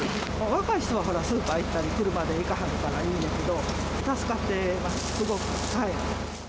若い人はスーパー行ったり、車でいかはるからいいんやけど、助かってます、すごく。